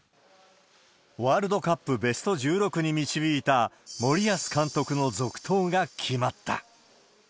ワールドカップベスト１６に導いた森保監督の続投が決まった。